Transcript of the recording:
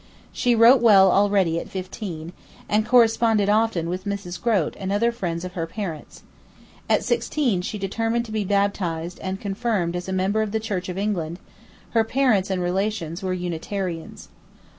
She wrote well already at fifteen, and corresponded often with Mrs. Grote and other friends of her parents. At sixteen she determined to be baptized and confirmed as a member of the Church of England (her parents and relations were Unitarians).